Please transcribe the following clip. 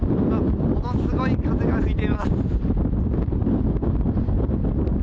ものすごい風が吹いています。